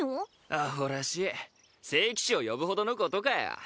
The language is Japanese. アホらしい聖騎士を呼ぶほどのことかよ